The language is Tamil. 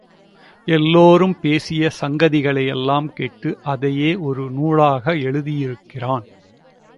எல்லோரும் பேசிய சங்கதிகளை எல்லாம் கேட்டு, அதையே ஒரு நூலாக எழுதியிருக்கிறான்.